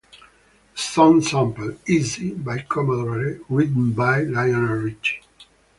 The song samples "Easy" by Commodores (written by Lionel Richie).